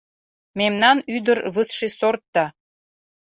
Мемнан ӱдыр высший сорт да